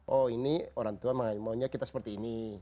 oh ini orang tua maunya kita seperti ini